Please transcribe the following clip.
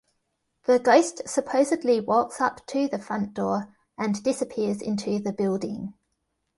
The ghost supposedly walks up to the front door and disappears into the building.